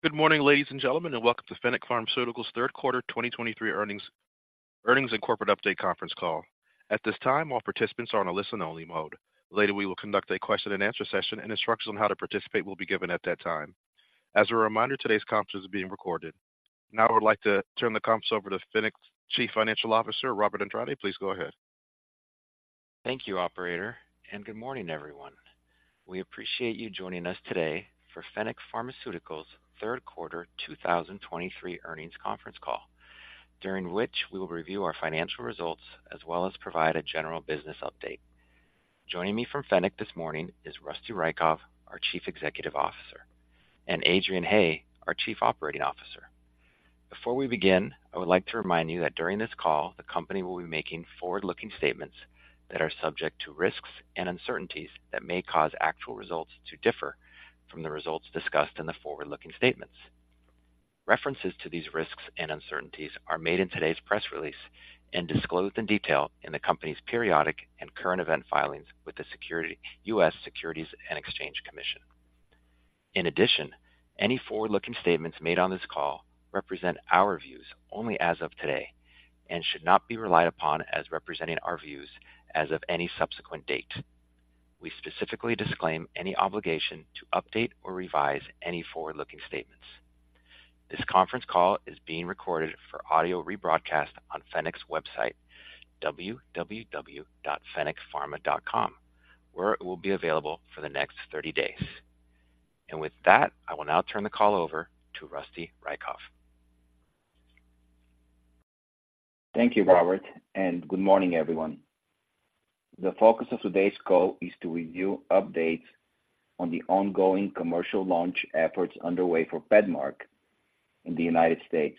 Good morning, ladies and gentlemen, and welcome to Fennec Pharmaceuticals' Q3 2023 Earnings, Earnings and Corporate Update Conference Call. At this time, all participants are on a listen-only mode. Later, we will conduct a question-and-answer session, and instructions on how to participate will be given at that time. As a reminder, today's conference is being recorded. Now I would like to turn the conference over to Fennec's Chief Financial Officer, Robert Andrade. Please go ahead. Thank you, operator, and good morning, everyone. We appreciate you joining us today for Fennec Pharmaceuticals' Q3 2023 earnings conference call, during which we will review our financial results as well as provide a general business update. Joining me from Fennec this morning is Rosty Raykov, our Chief Executive Officer, and Adrian Haigh, our Chief Operating Officer. Before we begin, I would like to remind you that during this call, the company will be making forward-looking statements that are subject to risks and uncertainties that may cause actual results to differ from the results discussed in the forward-looking statements. References to these risks and uncertainties are made in today's press release and disclosed in detail in the company's periodic and current event filings with the US Securities and Exchange Commission. In addition, any forward-looking statements made on this call represent our views only as of today and should not be relied upon as representing our views as of any subsequent date. We specifically disclaim any obligation to update or revise any forward-looking statements. This conference call is being recorded for audio rebroadcast on Fennec's website, www.fennecpharma.com, where it will be available for the next 30 days. With that, I will now turn the call over to Rosty Raykov. Thank you, Robert, and good morning, everyone. The focus of today's call is to review updates on the ongoing commercial launch efforts underway for PEDMARK in the United States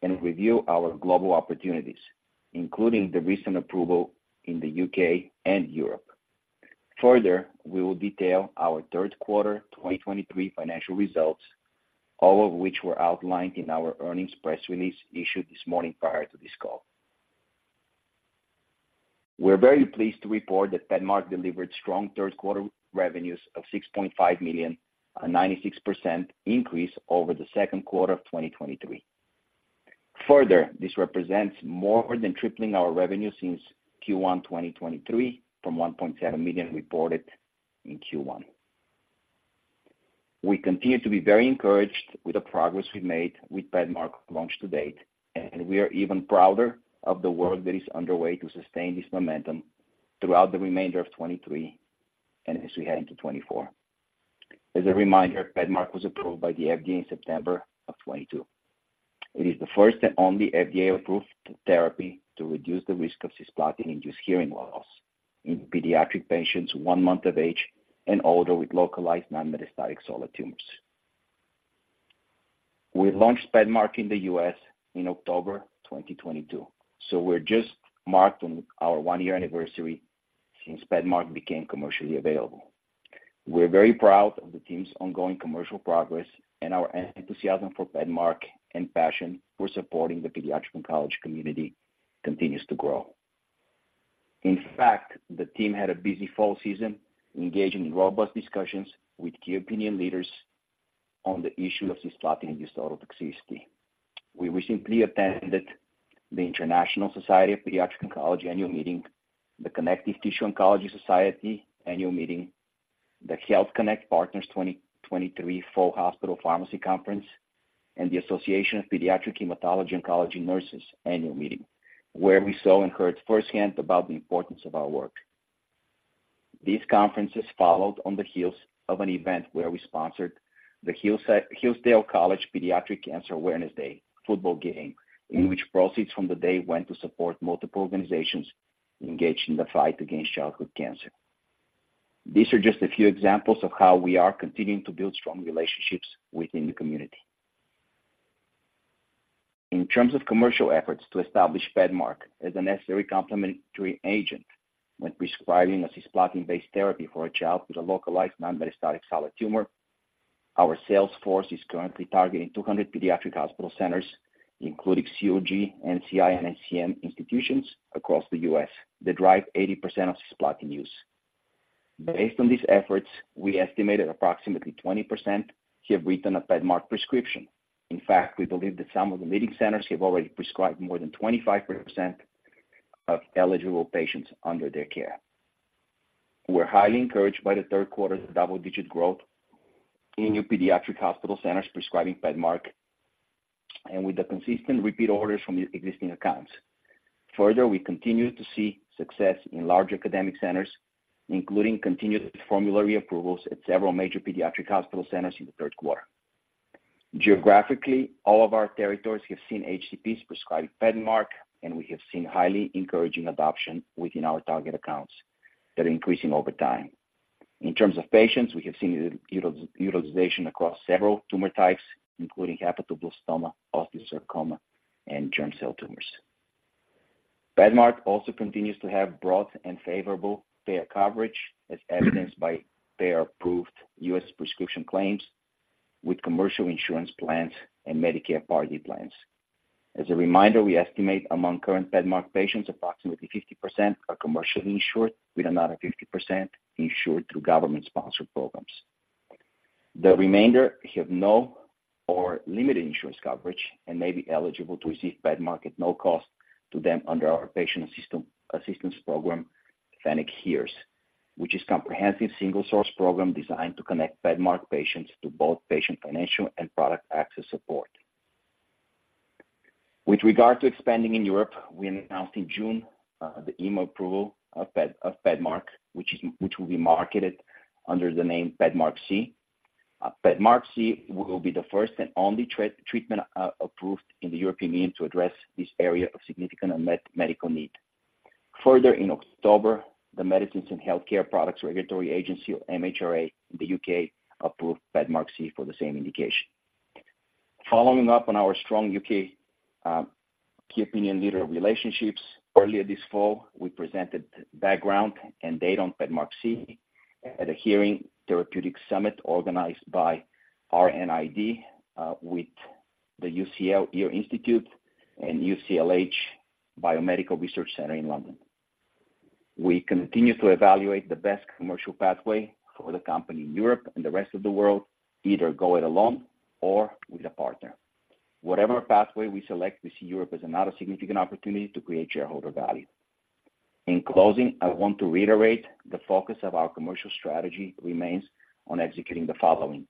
and review our global opportunities, including the recent approval in the UK and Europe. Further, we will detail our Q3 2023 financial results, all of which were outlined in our earnings press release issued this morning prior to this call. We're very pleased to report that PEDMARK delivered strong Q3 revenues of $6.5 million, a 96% increase over the Q2 of 2023. Further, this represents more than tripling our revenue since Q1 2023 from $1.7 million reported in Q1. We continue to be very encouraged with the progress we've made with PEDMARK launch to date, and we are even prouder of the work that is underway to sustain this momentum throughout the remainder of 2023 and as we head into 2024. As a reminder, PEDMARK was approved by the FDA in September of 2022. It is the first and only FDA-approved therapy to reduce the risk of cisplatin-induced hearing loss in pediatric patients one month of age and older with localized non-metastatic solid tumors. We launched PEDMARK in the U.S. in October 2022, so we're just marked on our one-year anniversary since PEDMARK became commercially available. We're very proud of the team's ongoing commercial progress and our enthusiasm for PEDMARK, and passion for supporting the pediatric oncology community continues to grow. In fact, the team had a busy fall season, engaging in robust discussions with key opinion leaders on the issue of cisplatin-induced ototoxicity. We recently attended the International Society of Pediatric Oncology annual meeting, the Connective Tissue Oncology Society annual meeting, the Health Connect Partners 2023 Fall Hospital Pharmacy Conference, and the Association of Pediatric Hematology Oncology Nurses annual meeting, where we saw and heard firsthand about the importance of our work. These conferences followed on the heels of an event where we sponsored the Hillsdale College Pediatric Cancer Awareness Day football game, in which proceeds from the day went to support multiple organizations engaged in the fight against childhood cancer. These are just a few examples of how we are continuing to build strong relationships within the community. In terms of commercial efforts to establish PEDMARK as a necessary complementary agent when prescribing a cisplatin-based therapy for a child with a localized non-metastatic solid tumor, our sales force is currently targeting 200 pediatric hospital centers, including COG, NCI, and NCCN institutions across the U.S., that drive 80% of cisplatin use. Based on these efforts, we estimated approximately 20% have written a PEDMARK prescription. In fact, we believe that some of the leading centers have already prescribed more than 25% of eligible patients under their care. We're highly encouraged by the Q3's double-digit growth in new pediatric hospital centers prescribing PEDMARK and with the consistent repeat orders from existing accounts. Further, we continue to see success in large academic centers, including continued formulary approvals at several major pediatric hospital centers in the Q3. Geographically, all of our territories have seen HCPs prescribing PEDMARK, and we have seen highly encouraging adoption within our target accounts that are increasing over time. In terms of patients, we have seen utilization across several tumor types, including hepatoblastoma, osteosarcoma, and germ cell tumors. PEDMARK also continues to have broad and favorable payer coverage, as evidenced by payer-approved U.S. prescription claims with commercial insurance plans and Medicare Part D plans. As a reminder, we estimate among current PEDMARK patients, approximately 50% are commercially insured, with another 50% insured through government-sponsored programs. The remainder have no or limited insurance coverage and may be eligible to receive PEDMARK at no cost to them under our patient assistance program, Fennec HEARS, which is comprehensive single source program designed to connect PEDMARK patients to both patient, financial, and product access support. With regard to expanding in Europe, we announced in June the EMA approval of PEDMARQSI, which will be marketed under the name PEDMARQSI. PEDMARQSI will be the first and only treatment approved in the European Union to address this area of significant unmet medical need. Further, in October, the Medicines and Healthcare Products Regulatory Agency, or MHRA, in the U.K., approved PEDMARQSI for the same indication. Following up on our strong U.K. key opinion leader relationships, earlier this fall, we presented background and data on PEDMARQSI at a Hearing Therapeutic Summit organized by RNID with the UCL Ear Institute and UCLH Biomedical Research Center in London. We continue to evaluate the best commercial pathway for the company in Europe and the rest of the world, either go it alone or with a partner. Whatever pathway we select, we see Europe as another significant opportunity to create shareholder value. In closing, I want to reiterate the focus of our commercial strategy remains on executing the following: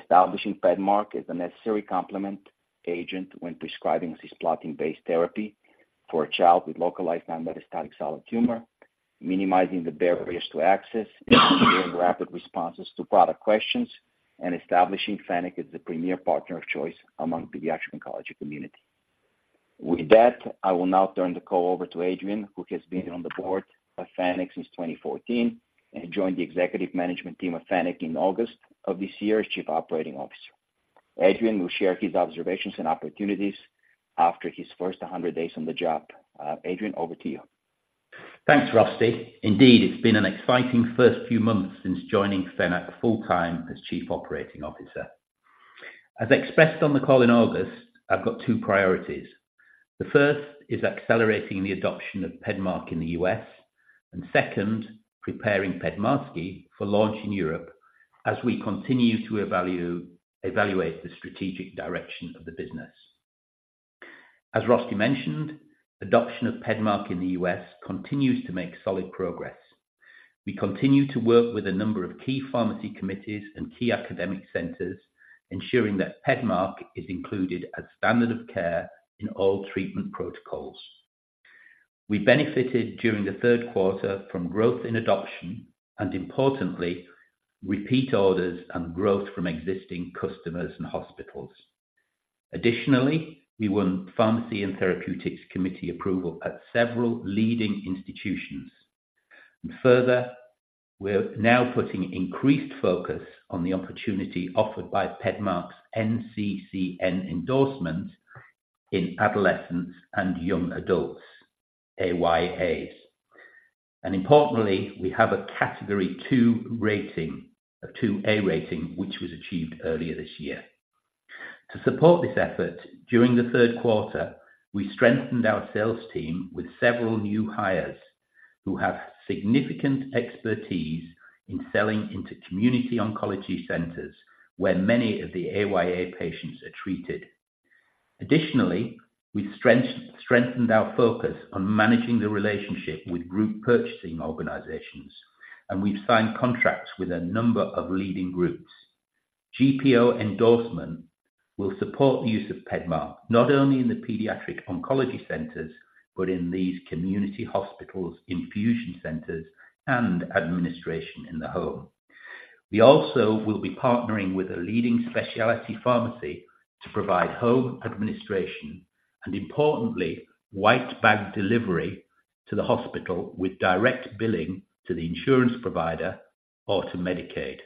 establishing PEDMARK as a necessary complement agent when prescribing cisplatin-based therapy for a child with localized non-metastatic solid tumor, minimizing the barriers to access, and giving rapid responses to product questions, and establishing Fennec as the premier partner of choice among pediatric oncology community. With that, I will now turn the call over to Adrian, who has been on the board of Fennec since 2014, and joined the executive management team of Fennec in August of this year as Chief Operating Officer. Adrian will share his observations and opportunities after his first 100 days on the job. Adrian, over to you. Thanks, Rosty. Indeed, it's been an exciting first few months since joining Fennec full-time as Chief Operating Officer. As expressed on the call in August, I've got two priorities. The first is accelerating the adoption of PEDMARK in the U.S., and second, preparing PEDMARQSI for launch in Europe as we continue to evaluate the strategic direction of the business. As Rosty mentioned, adoption of PEDMARK in the U.S. continues to make solid progress. We continue to work with a number of key pharmacy committees and key academic centers, ensuring that PEDMARK is included as standard of care in all treatment protocols. We benefited during the Q3 from growth in adoption, and importantly, repeat orders and growth from existing customers and hospitals. Additionally, we won pharmacy and therapeutics committee approval at several leading institutions. Further, we're now putting increased focus on the opportunity offered by PEDMARK's NCCN endorsement in adolescents and young adults, AYAs. Importantly, we have a category 2 rating, a 2-A rating, which was achieved earlier this year. To support this effort, during the Q3, we strengthened our sales team with several new hires who have significant expertise in selling into community oncology centers, where many of the AYA patients are treated. Additionally, we strengthened our focus on managing the relationship with group purchasing organizations, and we've signed contracts with a number of leading groups. GPO endorsement will support the use of PEDMARK, not only in the pediatric oncology centers, but in these community hospitals, infusion centers, and administration in the home. We also will be partnering with a leading specialty pharmacy to provide home administration and importantly, White Bag delivery to the hospital, with direct billing to the insurance provider or to Medicaid.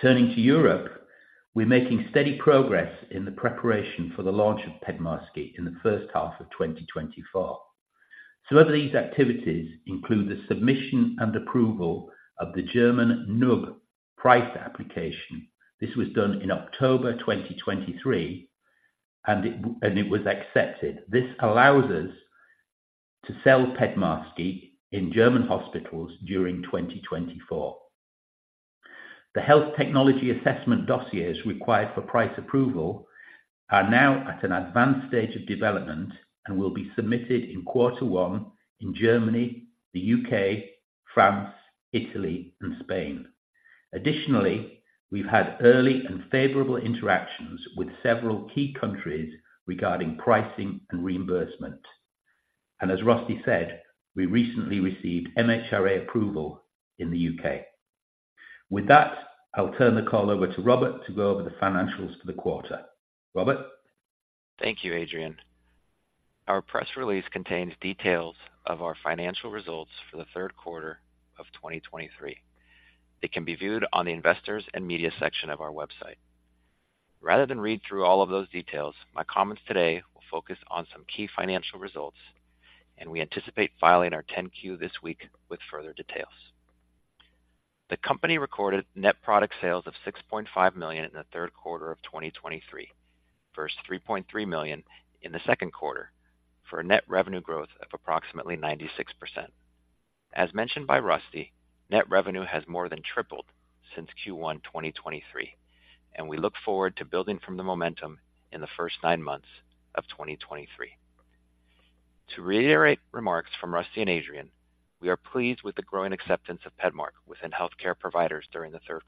Turning to Europe, we're making steady progress in the preparation for the launch of PEDMARQSI in the first half of 2024. Some of these activities include the submission and approval of the German NUB price application. This was done in October 2023, and it was accepted. This allows us to sell PEDMARQSI in German hospitals during 2024. The health technology assessment dossiers required for price approval are now at an advanced stage of development and will be submitted in quarter one in Germany, the U.K., France, Italy, and Spain. Additionally, we've had early and favorable interactions with several key countries regarding pricing and reimbursement. As Rosty said, we recently received MHRA approval in the U.K. With that, I'll turn the call over to Robert to go over the financials for the quarter. Robert? Thank you, Adrian. Our press release contains details of our financial results for the Q3 of 2023. It can be viewed on the investors and media section of our website. Rather than read through all of those details, my comments today will focus on some key financial results, and we anticipate filing our 10-Q this week with further details. The company recorded net product sales of $6.5 million in the Q3 of 2023, versus $3.3 million in the Q2, for a net revenue growth of approximately 96%. As mentioned by Rosty, net revenue has more than tripled since Q1 2023, and we look forward to building from the momentum in the first nine months of 2023. To reiterate remarks from Rosty and Adrian, we are pleased with the growing acceptance of PEDMARK within healthcare providers during the Q3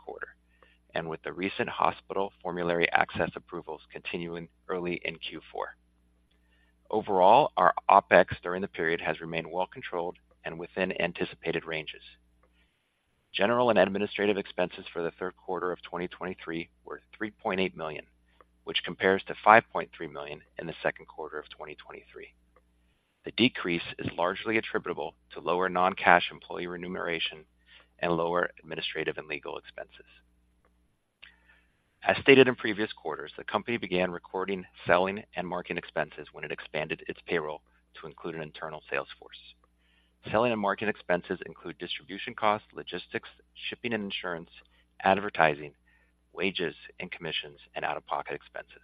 and with the recent hospital formulary access approvals continuing early in Q4. Overall, our OpEx during the period has remained well controlled and within anticipated ranges. General and administrative expenses for the Q3 of 2023 were $3.8 million, which compares to $5.3 million in the Q2 of 2023. The decrease is largely attributable to lower non-cash employee remuneration and lower administrative and legal expenses. As stated in previous quarters, the company began recording, selling, and marketing expenses when it expanded its payroll to include an internal sales force. Selling and marketing expenses include distribution costs, logistics, shipping and insurance, advertising, wages and commissions, and out-of-pocket expenses.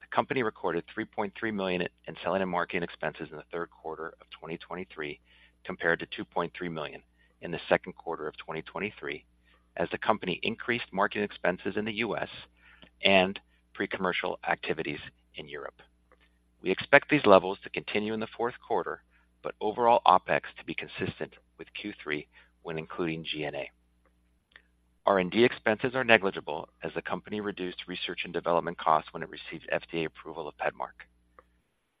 The company recorded $3.3 million in selling and marketing expenses in the Q3 of 2023, compared to $2.3 million in the Q2 of 2023, as the company increased marketing expenses in the U.S. and pre-commercial activities in Europe. We expect these levels to continue in the Q4, but overall, OpEx to be consistent with Q3 when including G&A. R&D expenses are negligible as the company reduced research and development costs when it received FDA approval of PEDMARK.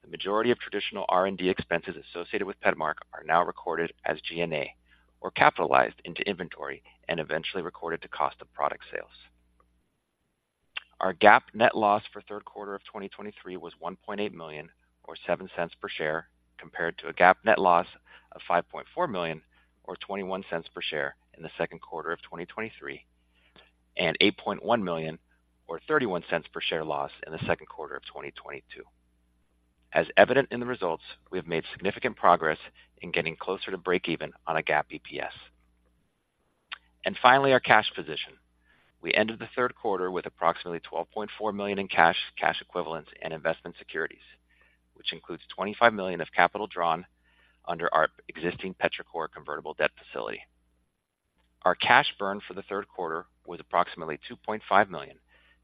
The majority of traditional R&D expenses associated with PEDMARK are now recorded as G&A or capitalized into inventory and eventually recorded to cost of product sales. Our GAAP net loss for the Q3 of 2023 was $1.8 million, or $0.07 per share, compared to a GAAP net loss of $5.4 million, or $0.21 per share in the Q2 of 2023, and $8.1 million, or $0.31 per share, loss in the Q2 of 2022. As evident in the results, we have made significant progress in getting closer to breakeven on a GAAP EPS. Finally, our cash position. We ended the Q3 with approximately $12.4 million in cash, cash equivalents, and investment securities, which includes $25 million of capital drawn under our existing Petrichor convertible debt facility. Our cash burn for the Q3 was approximately $2.5 million,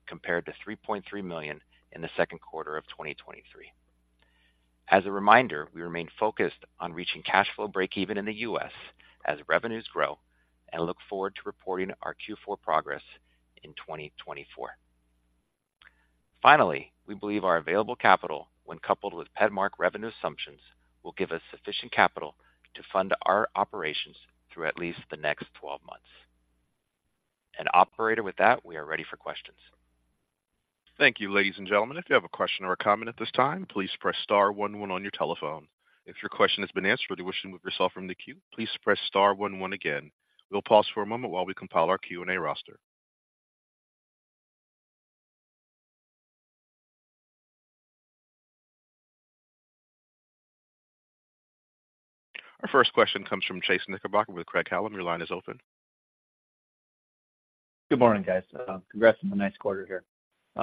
compared to $3.3 million in the Q2 of 2023. As a reminder, we remain focused on reaching cash flow breakeven in the U.S. as revenues grow, and look forward to reporting our Q4 progress in 2024. Finally, we believe our available capital, when coupled with PEDMARK revenue assumptions, will give us sufficient capital to fund our operations through at least the next 12 months. Operator, with that, we are ready for questions. Thank you, ladies and gentlemen. If you have a question or a comment at this time, please press star one one on your telephone. If your question has been answered or you wish to move yourself from the queue, please press star one one again. We'll pause for a moment while we compile our Q&A roster. Our first question comes from Chase Knickerbocker with Craig-Hallum. Your line is open. Good morning, guys. Congrats on the nice quarter here.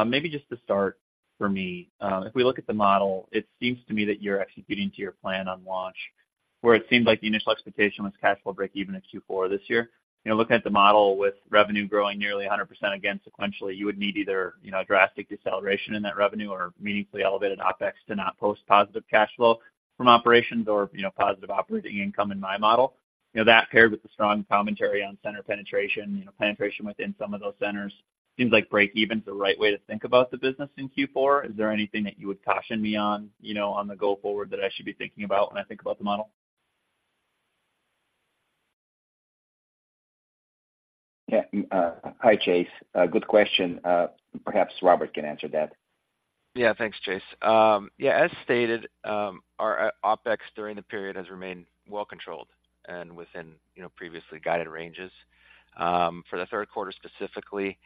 Maybe just to start for me, if we look at the model, it seems to me that you're executing to your plan on launch, where it seems like the initial expectation was cash flow breakeven in Q4 this year. You know, looking at the model with revenue growing nearly 100% again sequentially, you would need either, you know, a drastic deceleration in that revenue or meaningfully elevated OpEx to not post positive cash flow from operations or, you know, positive operating income in my model. You know, that paired with the strong commentary on center penetration, you know, penetration within some of those centers, seems like breakeven is the right way to think about the business in Q4. Is there anything that you would caution me on, you know, on the go forward that I should be thinking about when I think about the model? Yeah. Hi, Chase. Good question. Perhaps Robert can answer that. Yeah, thanks, Chase. Yeah, as stated, our OpEx during the period has remained well controlled and within, you know, previously guided ranges. For the Q3, specifically,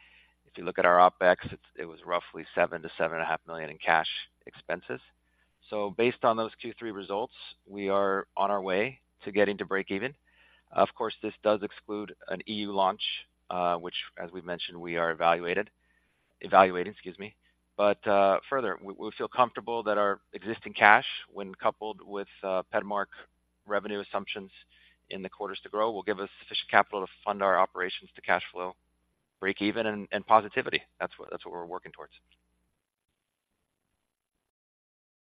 if you look at our OpEx, it was roughly $7 million-$7.5 million in cash expenses. So based on those Q3 results, we are on our way to getting to breakeven. Of course, this does exclude an EU launch, which, as we've mentioned, we are evaluating, excuse me. But, further, we feel comfortable that our existing cash, when coupled with, PEDMARK revenue assumptions in the quarters to grow, will give us sufficient capital to fund our operations to cash flow, breakeven and positivity. That's what we're working towards.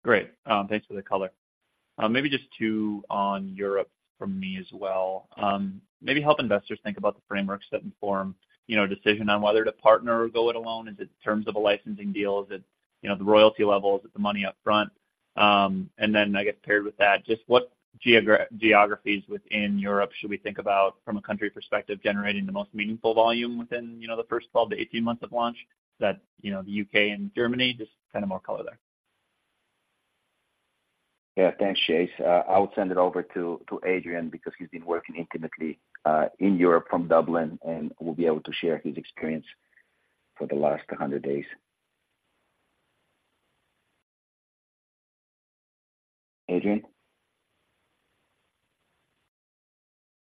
Great. Thanks for the color. Maybe just two on Europe from me as well. Maybe help investors think about the frameworks that inform, you know, decision on whether to partner or go it alone. Is it in terms of a licensing deal? Is it, you know, the royalty levels, is it the money upfront? And then I guess paired with that, just what geographies within Europe should we think about from a country perspective, generating the most meaningful volume within, you know, the first 12-18 months of launch that, you know, the U.K. and Germany? Just kind of more color there. Yeah. Thanks, Chase. I will send it over to Adrian, because he's been working intimately in Europe from Dublin and will be able to share his experience for the last 100 days. Adrian?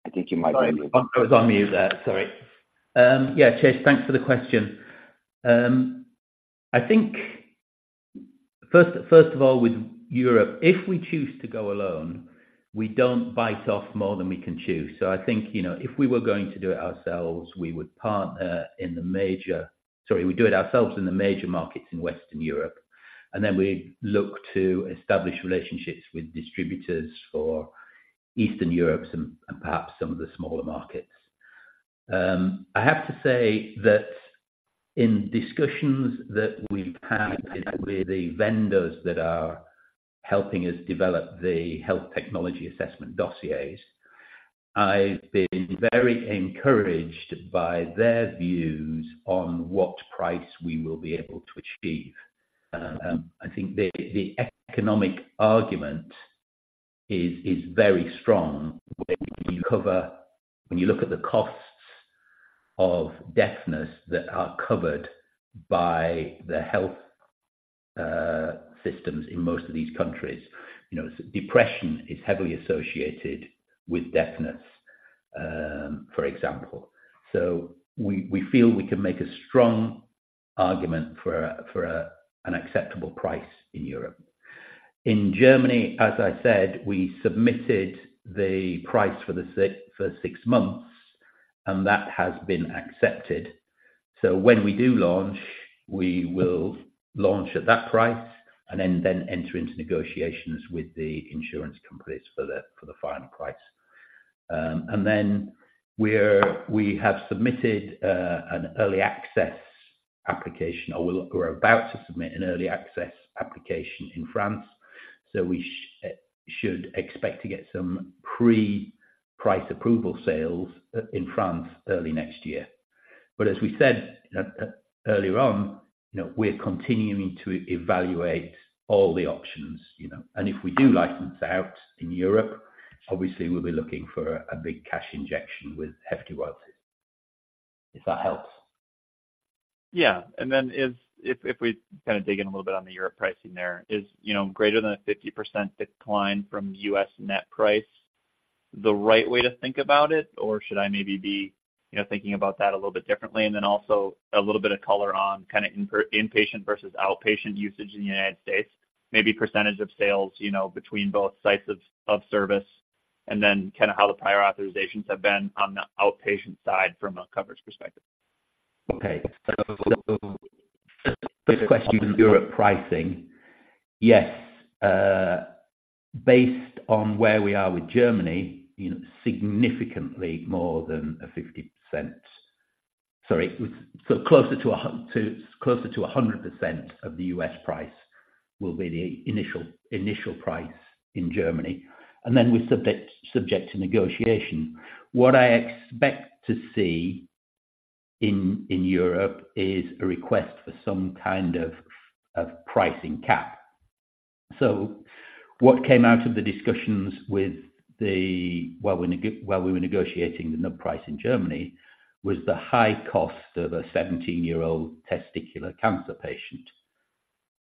I think you might be on mute. Sorry, I was on mute there. Sorry. Yeah, Chase, thanks for the question. I think first, first of all, with Europe, if we choose to go alone, we don't bite off more than we can chew. So I think, you know, if we were going to do it ourselves, we would partner in the major sorry, we do it ourselves in the major markets in Western Europe, and then we look to establish relationships with distributors for Eastern Europe and, and perhaps some of the smaller markets. I have to say that in discussions that we've had with the vendors that are helping us develop the health technology assessment dossiers, I've been very encouraged by their views on what price we will be able to achieve. I think the economic argument is very strong when you look at the costs of deafness that are covered by the health systems in most of these countries. You know, depression is heavily associated with deafness, for example. So we feel we can make a strong argument for an acceptable price in Europe. In Germany, as I said, we submitted the price for six months, and that has been accepted. So when we do launch, we will launch at that price and then enter into negotiations with the insurance companies for the final price. And then we have submitted an early access application, or we're about to submit an early access application in France. So we should expect to get some pre-price approval sales in France early next year. But as we said earlier on, you know, we're continuing to evaluate all the options, you know. And if we do license out in Europe, obviously, we'll be looking for a big cash injection with hefty royalties, if that helps. Yeah. And then, if we kinda dig in a little bit on the Europe pricing there, is, you know, greater than a 50% decline from the U.S. net price the right way to think about it, or should I maybe be, you know, thinking about that a little bit differently? And then also a little bit of color on kinda inpatient versus outpatient usage in the United States, maybe percentage of sales, you know, between both sites of service, and then kinda how the prior authorizations have been on the outpatient side from a coverage perspective. Okay. So first question, Europe pricing. Yes, based on where we are with Germany, you know, significantly more than 50%. Sorry, so closer to 100% of the US price will be the initial price in Germany, and then we're subject to negotiation. What I expect to see in Europe is a request for some kind of pricing cap. So what came out of the discussions while we were negotiating the net price in Germany was the high cost of a 17-year-old testicular cancer patient,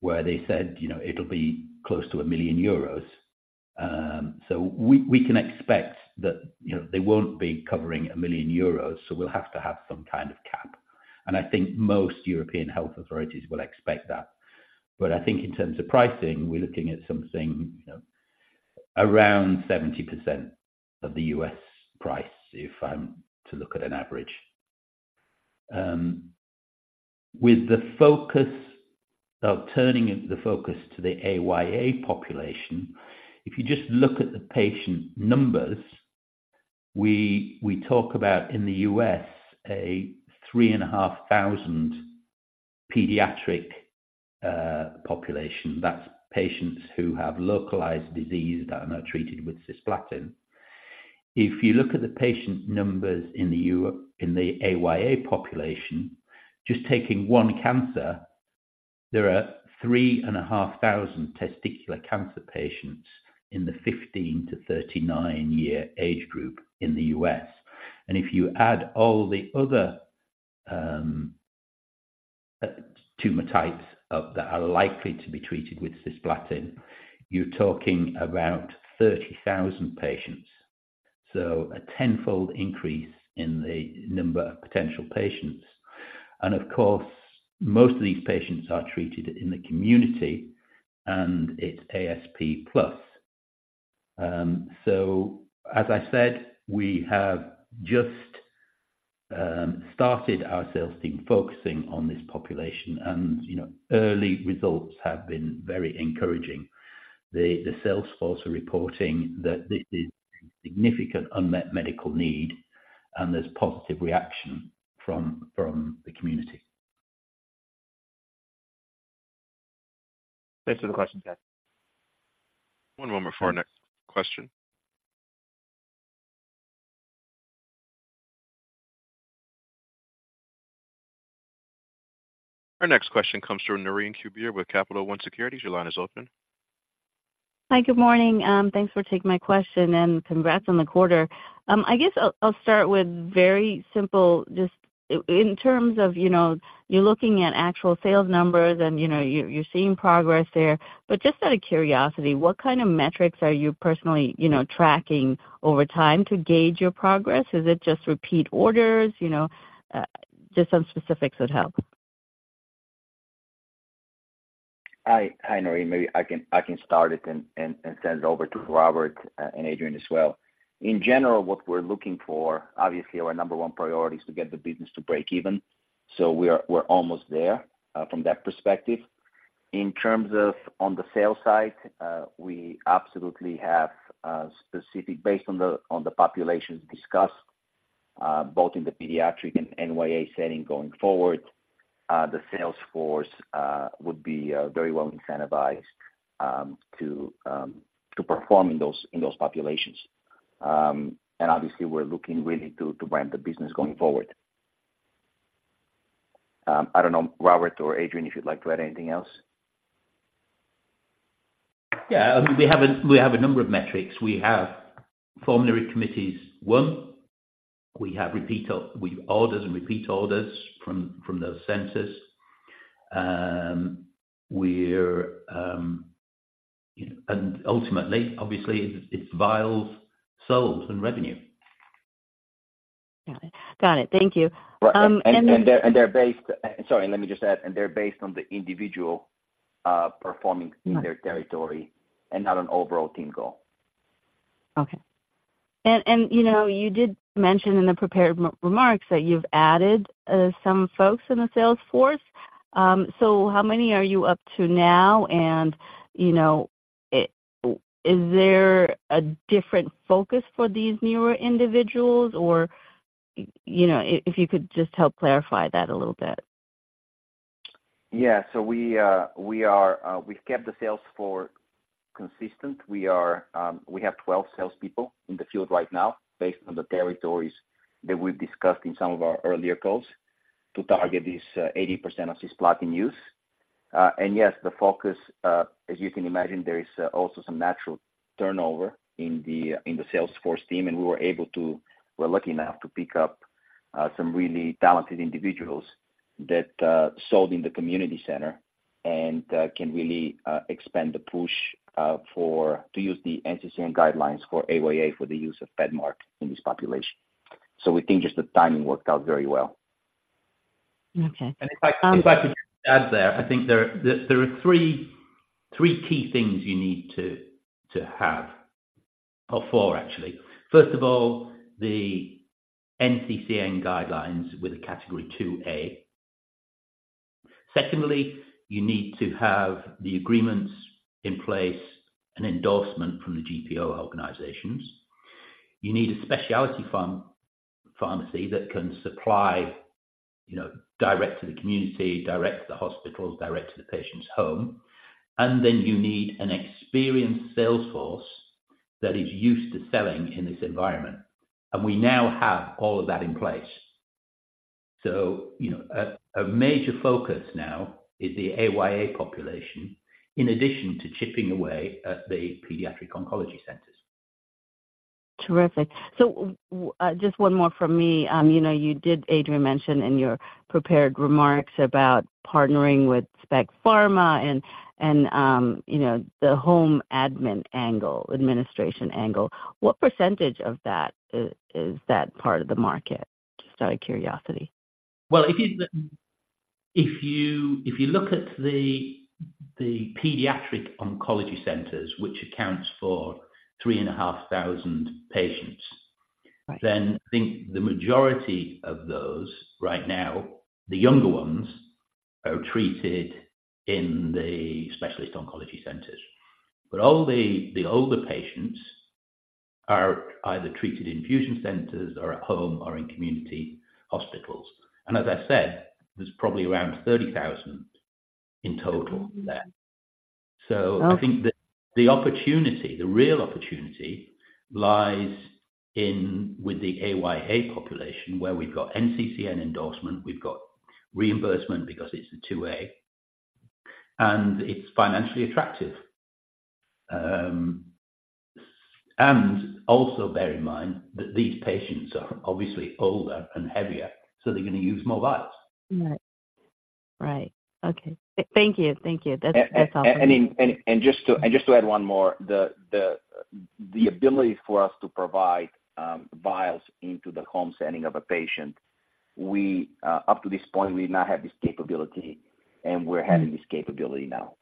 where they said, "You know, it'll be close to 1 million euros." So we can expect that, you know, they won't be covering 1 million euros, so we'll have to have some kind of cap, and I think most European health authorities will expect that. But I think in terms of pricing, we're looking at something, you know, around 70% of the U.S. price, if I'm to look at an average. With the focus of turning the focus to the AYA population, if you just look at the patient numbers, we talk about in the U.S., a 3,500 pediatric population. That's patients who have localized disease that are not treated with cisplatin. If you look at the patient numbers in Europe, in the AYA population, just taking one cancer, there are 3,500 testicular cancer patients in the 15-39 year age group in the U.S. And if you add all the other tumor types that are likely to be treated with cisplatin, you're talking about 30,000 patients, so a tenfold increase in the number of potential patients. Of course, most of these patients are treated in the community, and it's ASP plus. So as I said, we have just started our sales team focusing on this population, and, you know, early results have been very encouraging. The sales force are reporting that there is significant unmet medical need, and there's positive reaction from the community. Thanks for the question, Chase. One moment for our next question. Our next question comes from Naureen Quibria with Capital One Securities. Your line is open. Hi, good morning. Thanks for taking my question, and congrats on the quarter. I guess I'll start with very simple, just in terms of, you know, you're looking at actual sales numbers and, you know, you're seeing progress there. But just out of curiosity, what kind of metrics are you personally, you know, tracking over time to gauge your progress? Is it just repeat orders? You know, just some specifics would help. Hi, Naureen. Maybe I can start it and send it over to Robert and Adrian as well. In general, what we're looking for obviously, our number one priority is to get the business to break even. So we're almost there from that perspective. In terms of the sales side, we absolutely have specifics based on the populations discussed both in the pediatric and AYA setting going forward. The sales force would be very well incentivized to perform in those populations. And obviously, we're looking really to ramp the business going forward. I don't know, Robert or Adrian, if you'd like to add anything else? Yeah. I mean, we have a number of metrics. We have formulary committees. One, we have repeat orders from those centers. And ultimately, obviously, it's vials, sales, and revenue. Got it. Got it. Thank you, and then- Sorry, let me just add, and they're based on the individual performing- Got it. in their territory and not an overall team goal. Okay. And, you know, you did mention in the prepared remarks that you've added some folks in the sales force. So how many are you up to now? And, you know, is there a different focus for these newer individuals? Or, you know, if you could just help clarify that a little bit. Yeah. So we, we are, we've kept the sales force consistent. We are, we have 12 salespeople in the field right now, based on the territories that we've discussed in some of our earlier calls, to target this, 80% of cisplatin use. And yes, the focus, as you can imagine, there is also some natural turnover in the, in the sales force team, and we were able to... We're lucky enough to pick up, some really talented individuals that, sold in the community center and, can really, expand the push, for, to use the NCCN guidelines for AYA, for the use of PEDMARK in this population. So we think just the timing worked out very well. Okay, um- And if I could just add there, I think there are three key things you need to have or four actually. First of all, the NCCN guidelines with a Category 2A. Secondly, you need to have the agreements in place and endorsement from the GPO organizations. You need a specialty pharmacy that can supply, you know, direct to the community, direct to the hospitals, direct to the patient's home, and then you need an experienced sales force that is used to selling in this environment. And we now have all of that in place. So, you know, a major focus now is the AYA population, in addition to chipping away at the pediatric oncology centers. Terrific. So, just one more from me. You know, you did, Adrian, mention in your prepared remarks about partnering with Spec Pharma and, you know, the home admin angle, administration angle. What percentage of that is that part of the market? Just out of curiosity. Well, if you look at the pediatric oncology centers, which accounts for 3,500 patients- Right. I think the majority of those right now, the younger ones, are treated in the specialist oncology centers. But all the older patients are either treated in infusion centers or at home or in community hospitals. As I said, there's probably around 30,000 in total there. Okay. So I think the opportunity, the real opportunity lies in with the AYA population, where we've got NCCN endorsement, we've got reimbursement because it's a two-way, and it's financially attractive. Also bear in mind that these patients are obviously older and heavier, so they're gonna use more vials. Right. Right. Okay. Thank you, thank you. That's, that's helpful. And just to add one more, the ability for us to provide vials into the home setting of a patient. Up to this point, we did not have this capability, and we're- Mm. Having this capability now.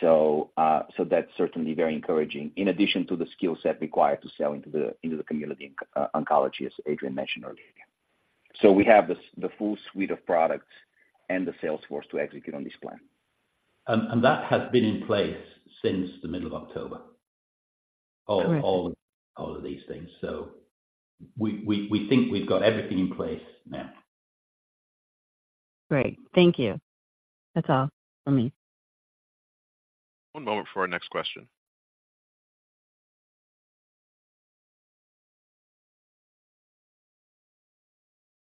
So, so that's certainly very encouraging, in addition to the skill set required to sell into the, into the community oncology, as Adrian mentioned earlier. So we have the the full suite of products and the sales force to execute on this plan. that has been in place since the middle of October- Correct. All of these things. So we think we've got everything in place now. Great. Thank you. That's all for me. One moment for our next question.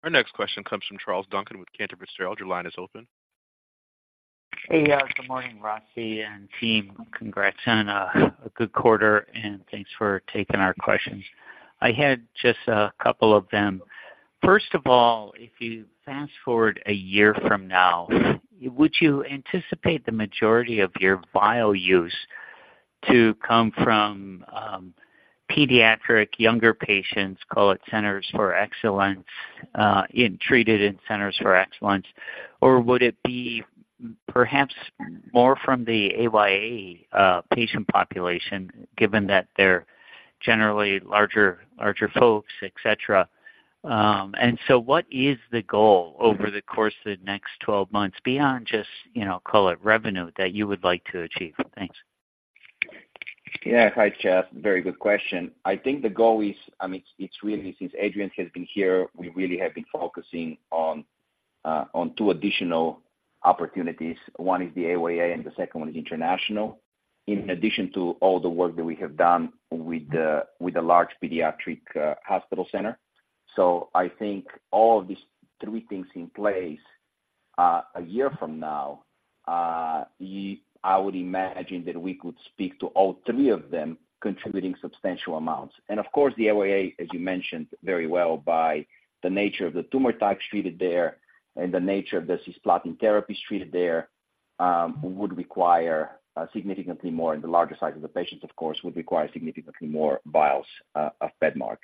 Our next question comes from Charles Duncan with Cantor Fitzgerald. Your line is open. Hey, good morning, Rossi and team. Congrats on a good quarter, and thanks for taking our questions. I had just a couple of them. First of all, if you fast forward a year from now, would you anticipate the majority of your vial use to come from pediatric younger patients, call it centers for excellence, in treated in centers for excellence? Or would it be perhaps more from the AYA patient population, given that they're generally larger, larger folks, et cetera. And so what is the goal over the course of the next twelve months beyond just, you know, call it, revenue, that you would like to achieve? Thanks. Yeah. Hi, Charles. Very good question. I think the goal is, I mean, it's really, since Adrian has been here, we really have been focusing on two additional opportunities. One is the AYA, and the second one is international. In addition to all the work that we have done with the large pediatric hospital center. So I think all of these three things in place, I would imagine that we could speak to all three of them contributing substantial amounts. And of course, the AYA, as you mentioned, very well by the nature of the tumor types treated there and the nature of the cisplatin therapies treated there, would require significantly more, and the larger size of the patients, of course, would require significantly more vials of PEDMARK.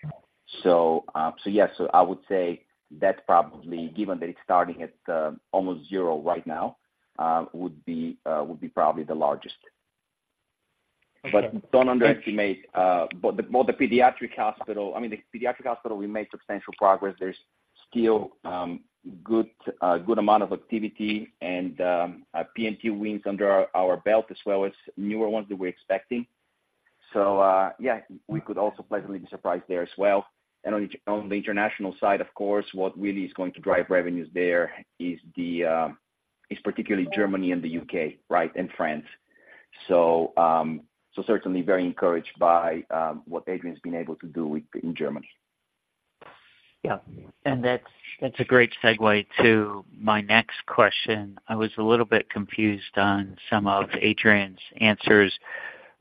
So, yes, I would say that's probably, given that it's starting at almost zero right now, would be probably the largest. Okay. But don't underestimate the pediatric hospital I mean, the pediatric hospital, we made substantial progress. There's still a good amount of activity and P&T wins under our belt, as well as newer ones that we're expecting. So, yeah, we could also pleasantly be surprised there as well. And on the international side, of course, what really is going to drive revenues there is particularly Germany and the U.K., right, and France. So, so certainly very encouraged by what Adrian's been able to do with in Germany. Yeah. And that's, that's a great segue to my next question. I was a little bit confused on some of Adrian's answers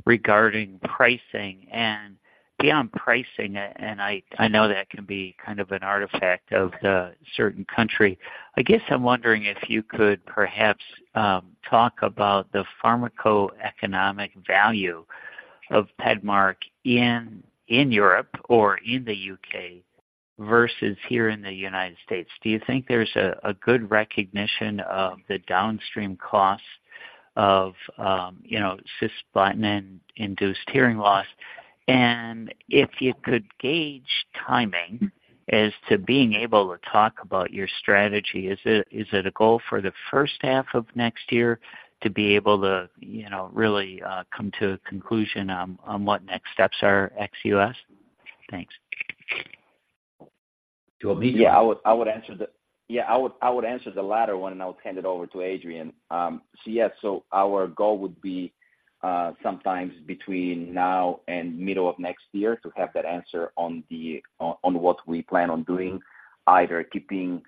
regarding pricing. And beyond pricing, and I, I know that can be kind of an artifact of the certain country. I guess I'm wondering if you could perhaps talk about the pharmacoeconomic value of PEDMARK in, in Europe or in the UK versus here in the United States. Do you think there's a, a good recognition of the downstream cost of, you know, cisplatin and induced hearing loss? And if you could gauge timing as to being able to talk about your strategy, is it, is it a goal for the first half of next year to be able to, you know, really come to a conclusion on, on what next steps are ex-US? Thanks. To me? Yeah, I would answer the latter one, and I would hand it over to Adrian. So yes, so our goal would be sometime between now and middle of next year to have that answer on what we plan on doing, either keeping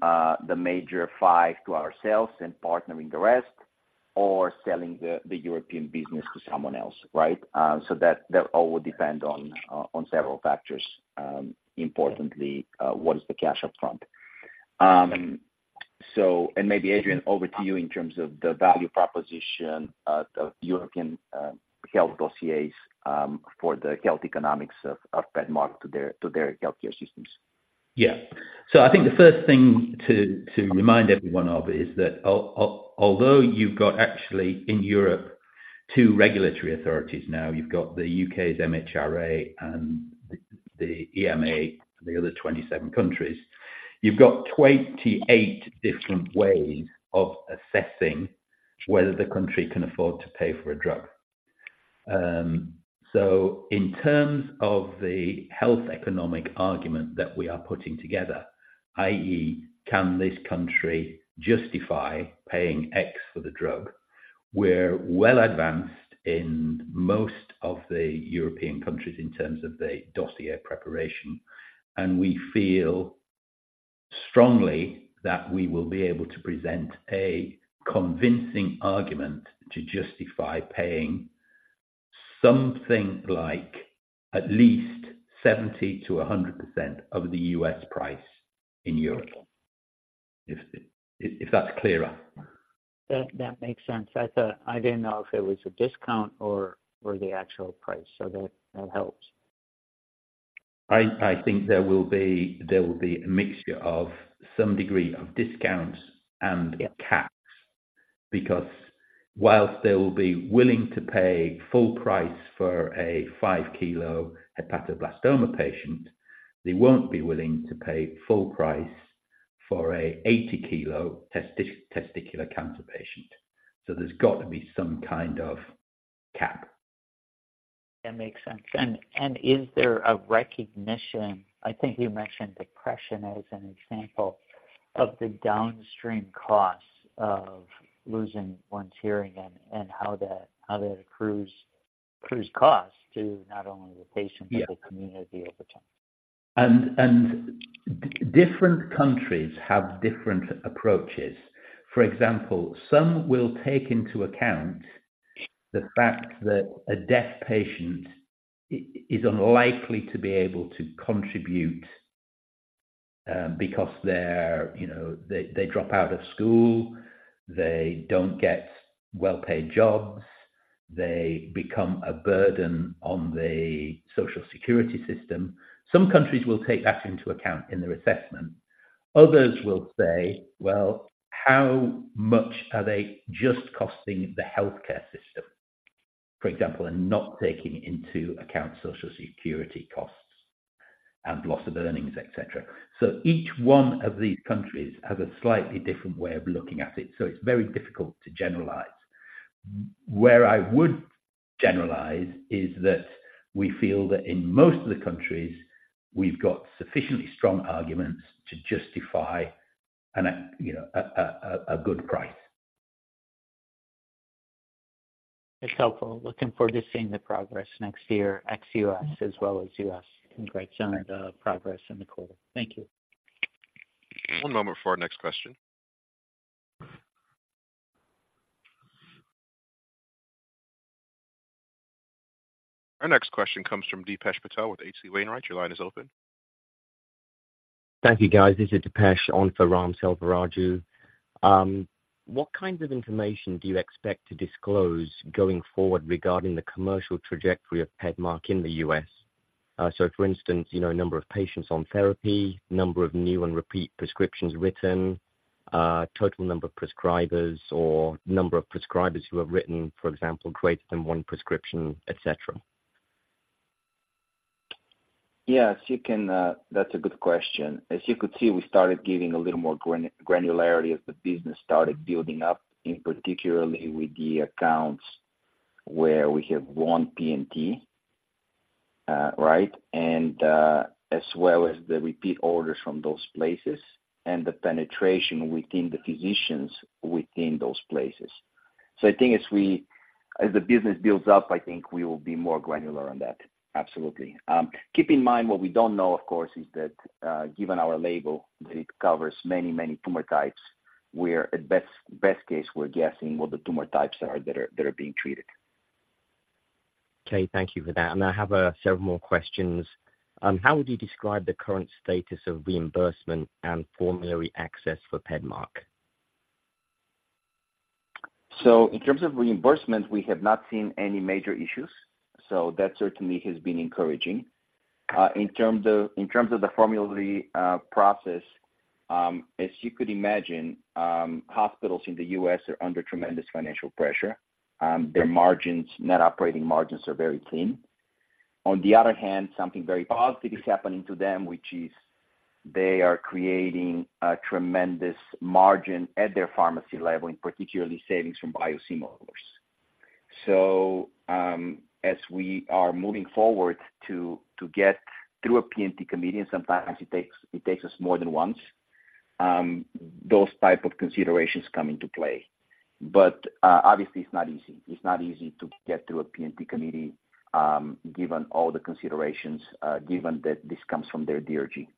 the major five to ourselves and partnering the rest, or selling the European business to someone else, right? So that all would depend on several factors, importantly, what is the cash up front? And maybe, Adrian, over to you in terms of the value proposition of European health dossiers for the health economics of PEDMARK to their healthcare systems. Yeah. So I think the first thing to remind everyone of is that although you've got actually in Europe, two regulatory authorities now, you've got the U.K.'s MHRA and the EMA, the other 27 countries, you've got 28 different ways of assessing whether the country can afford to pay for a drug. So in terms of the health economic argument that we are putting together, i.e., can this country justify paying X for the drug? We're well advanced in most of the European countries in terms of the dossier preparation, and we feel strongly that we will be able to present a convincing argument to justify paying something like at least 70%-100% of the US price in Europe. If that's clearer. That makes sense. I thought, I didn't know if it was a discount or the actual price, so that helps. I think there will be a mixture of some degree of discounts and caps, because whilst they will be willing to pay full price for a 5-kilo hepatoblastoma patient, they won't be willing to pay full price for a 80-kilo testicular cancer patient. So there's got to be some kind of cap. That makes sense. And is there a recognition, I think you mentioned depression as an example, of the downstream costs of losing one's hearing and how that accrues to not only the patient- Yeah. but the community over time. Different countries have different approaches. For example, some will take into account the fact that a deaf patient is unlikely to be able to contribute because they're, you know, they drop out of school, they don't get well-paid jobs, they become a burden on the Social Security system. Some countries will take that into account in their assessment. Others will say, "Well, how much are they just costing the healthcare system?" For example, and not taking into account Social Security costs and loss of earnings, et cetera. So each one of these countries has a slightly different way of looking at it, so it's very difficult to generalize. Where I would generalize is that we feel that in most of the countries, we've got sufficiently strong arguments to justify a, you know, a good price. It's helpful. Looking forward to seeing the progress next year, ex-U.S., as well as U.S. Congrats on the progress in the quarter. Thank you. One moment for our next question. Our next question comes from Dipesh Patel with H.C. Wainwright. Your line is open. Thank you, guys. This is Dipesh on for Raghuram Selvaraju. What kinds of information do you expect to disclose going forward regarding the commercial trajectory of PEDMARK in the U.S.? So for instance, you know, number of patients on therapy, number of new and repeat prescriptions written, total number of prescribers or number of prescribers who have written, for example, greater than one prescription, et cetera. Yes, you can. That's a good question. As you could see, we started giving a little more granularity as the business started building up, in particular with the accounts where we have one P&T, right? And, as well as the repeat orders from those places and the penetration within the physicians within those places. So I think as the business builds up, I think we will be more granular on that. Absolutely. Keep in mind, what we don't know, of course, is that, given our label, that it covers many, many tumor types, where at best, best case, we're guessing what the tumor types are, that are being treated. Okay, thank you for that. I have several more questions. How would you describe the current status of reimbursement and formulary access for PEDMARK? So in terms of reimbursement, we have not seen any major issues, so that certainly has been encouraging. In terms of the formulary process, as you could imagine, hospitals in the U.S. are under tremendous financial pressure. Their margins, net operating margins are very thin. On the other hand, something very positive is happening to them, which is they are creating a tremendous margin at their pharmacy level, in particular savings from biosimilars. So, as we are moving forward to get through a P&T committee, and sometimes it takes us more than once, those type of considerations come into play. But, obviously, it's not easy. It's not easy to get through a P&T committee, given all the considerations, given that this comes from their DRG.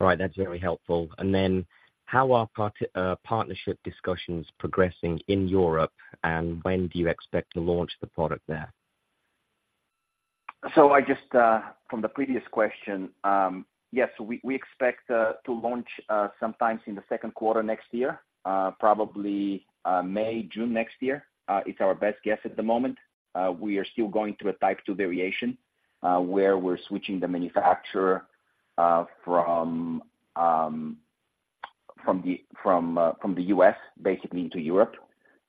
All right. That's very helpful. And then, how are partnership discussions progressing in Europe, and when do you expect to launch the product there? So I just, from the previous question, yes, we expect to launch sometimes in the Q2 next year, probably May, June next year. It's our best guess at the moment. We are still going through a Type II variation, where we're switching the manufacturer from the US, basically, into Europe.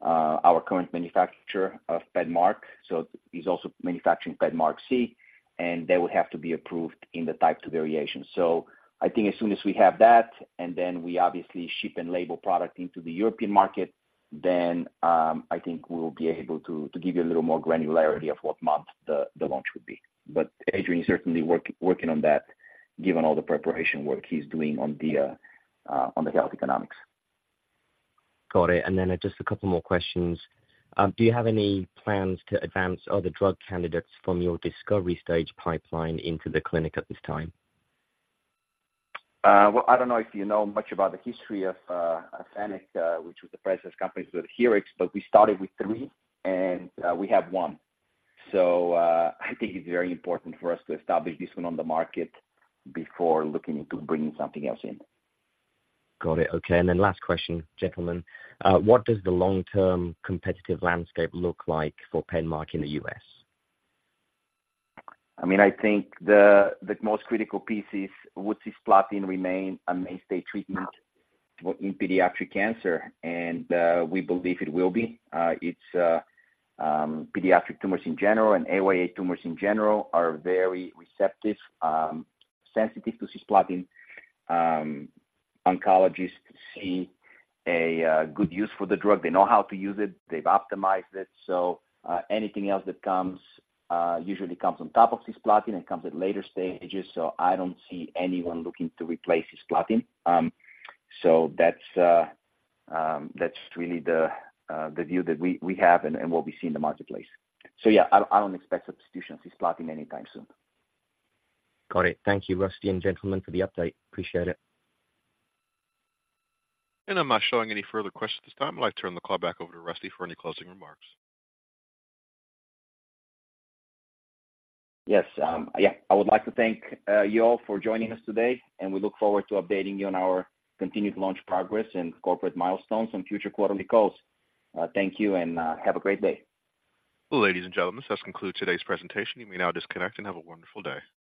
Our current manufacturer of PEDMARK so is also manufacturing PEDMARQSI, and they would have to be approved in the Type II variation. So I think as soon as we have that, and then we obviously ship and label product into the European market, then I think we'll be able to give you a little more granularity of what month the launch would be. But Adrian is certainly working on that, given all the preparation work he's doing on the health economics. Got it. And then just a couple more questions. Do you have any plans to advance other drug candidates from your discovery stage pipeline into the clinic at this time? Well, I don't know if you know much about the history of Adherex, which was the previous companies with Adherex, but we started with three, and we have one. So, I think it's very important for us to establish this one on the market before looking into bringing something else in. Got it. Okay. And then last question, gentlemen. What does the long-term competitive landscape look like for PEDMARK in the U.S.? I mean, I think the most critical piece is, would cisplatin remain a mainstay treatment in pediatric cancer? And we believe it will be. It's pediatric tumors in general and AYA tumors in general are very receptive, sensitive to cisplatin. Oncologists see a good use for the drug. They know how to use it, they've optimized it, so anything else that comes usually comes on top of cisplatin and comes at later stages. So I don't see anyone looking to replace cisplatin. So that's really the view that we have and what we see in the marketplace. So yeah, I don't expect substitution of cisplatin anytime soon. Got it. Thank you, Rosty and gentlemen, for the update. Appreciate it. I'm not showing any further questions at this time. I'd like to turn the call back over to Rosty for any closing remarks. Yes, yeah. I would like to thank you all for joining us today, and we look forward to updating you on our continued launch progress and corporate milestones on future quarterly calls. Thank you, and have a great day. Ladies and gentlemen, this concludes today's presentation. You may now disconnect and have a wonderful day.